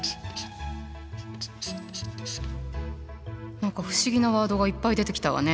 何か不思議なワードがいっぱい出てきたわね。